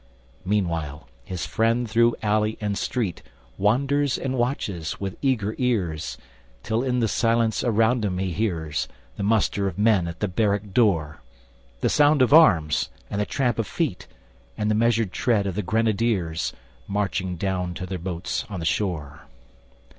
Meanwhile, his friend, through alley and street, Wanders and watches with eager ears, Till in the silence around him he hears The muster of men at the barrack door, The sound of arms, and the tramp of feet, And the measured tread of the grenadiers, Marching down to their boats on the shore.